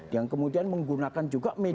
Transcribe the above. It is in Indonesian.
yang kemudian menggunakan juga media